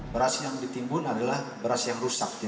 beras yang ditimbun adalah beras yang rusak